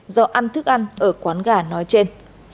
của quán gà nói trên